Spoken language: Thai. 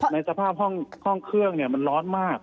ในสภาพห้องเครื่องมันร้อนมาก